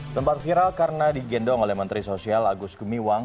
sempat viral karena digendong oleh menteri sosial agus gumiwang